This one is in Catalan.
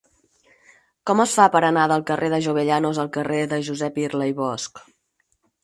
Com es fa per anar del carrer de Jovellanos al carrer de Josep Irla i Bosch?